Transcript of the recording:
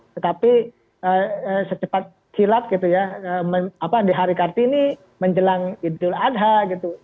tetapi secepat kilat gitu ya di hari kartini menjelang idul adha gitu